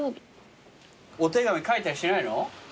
お手紙書いたりしないの？